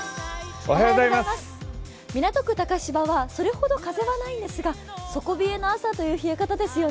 港区竹芝はそれほど風はないんですが、底冷えの朝という冷え方ですよね。